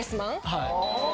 はい。